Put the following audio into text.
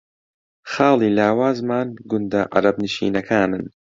خاڵی لاوازمان گوندە عەرەبنشینەکانن